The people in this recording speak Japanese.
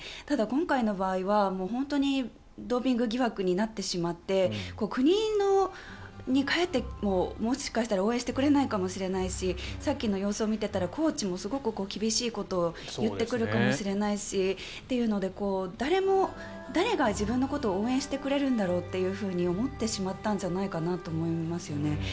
ただ、今回の場合は本当にドーピング疑惑になってしまって国に帰っても、もしかしたら応援してくれないかもしれないしさっきの様子を見ていたらコーチもすごく厳しいことを言ってくるかもしれないしというので誰が自分のことを応援してくれるんだろうと思ってしまったんじゃないかなと思いますよね。